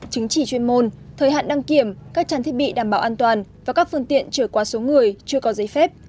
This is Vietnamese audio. chứng chỉ chuyên môn thời hạn đăng kiểm các trang thiết bị đảm bảo an toàn và các phương tiện trở qua số người chưa có giấy phép